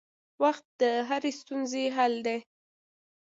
وخت د هرې ستونزې حل دی.